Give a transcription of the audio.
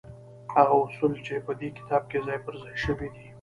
هغه اصول چې په دې کتاب کې ځای پر ځای شوي دي.